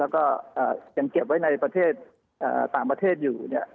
แล้วก็ยังเก็บไว้ในประเทศต่างประเทศอยู่